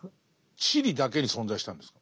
チリだけに存在したんですか？